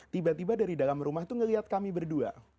tiba tiba dari dalam rumah itu ngeliat kami berdua